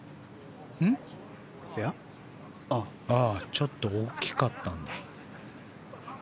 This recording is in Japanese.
ちょっと大きかったんだ。